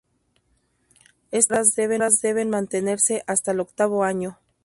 Estas mejoras deben mantenerse hasta el octavo año.